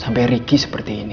sampai riki seperti ini